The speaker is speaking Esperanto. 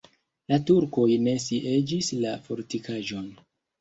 La turkoj ne sieĝis la fortikaĵon.